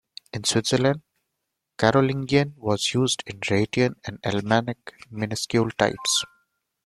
In Switzerland, Carolingian was used in the Rhaetian and Alemannic minuscule types.